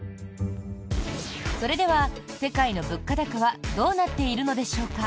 それでは、世界の物価高はどうなっているのしょうか？